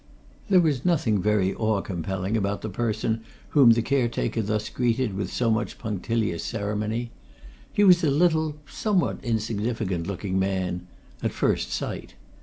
There was nothing very awe compelling about the person whom the caretaker thus greeted with so much punctilious ceremony. He was a little, somewhat insignificant looking man at first sight.